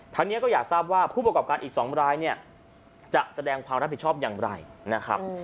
ทางนี้ก็อยากทราบว่าผู้ประกอบการอีก๒รายเนี่ยจะแสดงความรับผิดชอบอย่างไรนะครับ